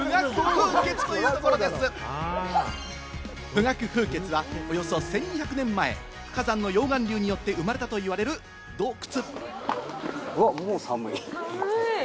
富岳風穴はおよそ１２００年前、火山の溶岩流によって生まれたといわれる洞窟。